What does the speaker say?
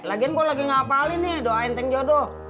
lagian saya lagi ngapain nih doain teng jodoh